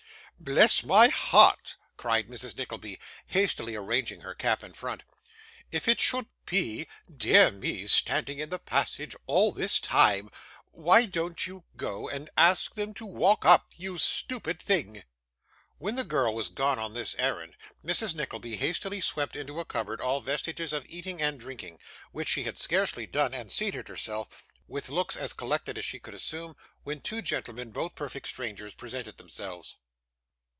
'Bless my heart!' cried Mrs. Nickleby, hastily arranging her cap and front, 'if it should be dear me, standing in the passage all this time why don't you go and ask them to walk up, you stupid thing?' While the girl was gone on this errand, Mrs. Nickleby hastily swept into a cupboard all vestiges of eating and drinking; which she had scarcely done, and seated herself with looks as collected as she could assume, when two gentlemen, both perfect strangers, presented themselves.